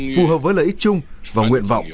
phù hợp với lợi ích chung và nguyện vọng